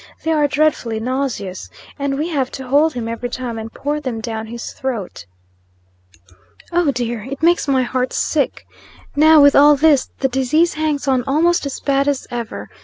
They are dreadfully nauseous; and we have to hold him, every time, and pour them down his throat. Oh, dear! It makes my heart sick. Now, with all this, the disease hangs on almost as bad as ever.